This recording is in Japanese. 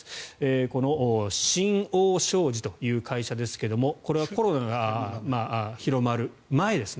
この新桜商事という会社ですがこれはコロナが広まる前ですね